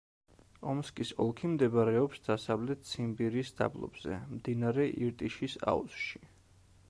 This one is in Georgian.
ომსკის ოლქი მდებარეობს დასავლეთ ციმბირის დაბლობზე, მდინარე ირტიშის აუზში.